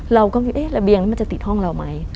เราก็คิดเอ๊ะระเบียงนั้นมันจะติดห้องเราไหม